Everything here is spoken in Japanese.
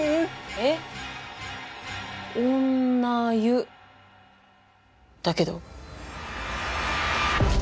えっ「女」「湯」だけど。